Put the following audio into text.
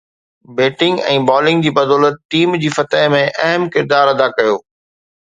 batting ۽ bowling جي بدولت team جي فتح ۾ اهم ڪردار ادا ڪيو